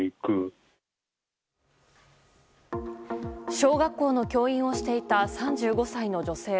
小学校の教員をしていた３５歳の女性。